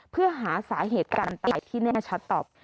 เพื่อหาสาเหตุการตายที่แน่ชัดต่อไป